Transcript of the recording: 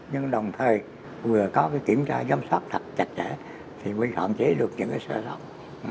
nhưng đồng thời vừa có cái kiểm tra giám sát thật chặt chẽ thì mới gọn chế được những cái sơ động